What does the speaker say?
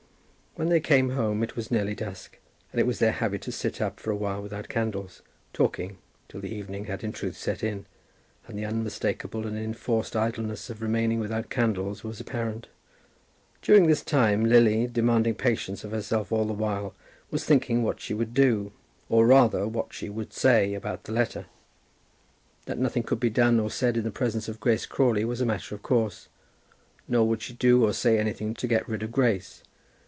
When they came home it was nearly dusk, and it was their habit to sit up for a while without candles, talking, till the evening had in truth set in and the unmistakable and enforced idleness of remaining without candles was apparent. During this time, Lily, demanding patience of herself all the while, was thinking what she would do, or rather what she would say, about the letter. That nothing could be done or said in the presence of Grace Crawley was a matter of course, nor would she do or say anything to get rid of Grace.